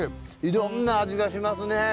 いろんな味がしますね。